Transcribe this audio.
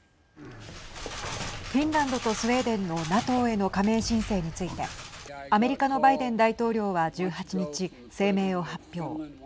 フィンランドとスウェーデンのＮＡＴＯへの加盟申請についてアメリカのバイデン大統領は１８日声明を発表。